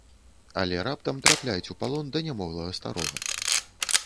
Але раптам трапляюць у палон да нямоглага старога.